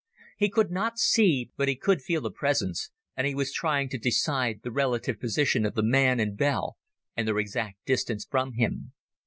He could not see, but he could feel the presence, and he was trying to decide the relative position of the man and bell and their exact distance from him.